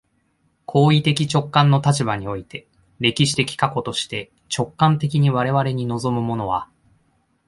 行為的直観の立場において、歴史的過去として、直観的に我々に臨むものは、